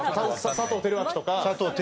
佐藤輝明とか。